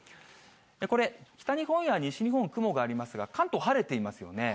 これ、北日本や西日本、雲がありますが、関東、晴れていますよね。